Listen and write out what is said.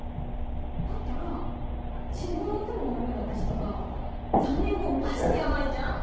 だったら死ぬほど頭悪い私とか３年後マジでやばいじゃん？